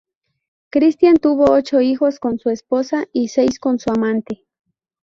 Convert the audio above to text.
Cristián tuvo ocho hijos con su esposa y seis con su amante.